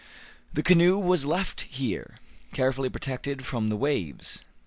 The canoe was left here, carefully protected from the waves.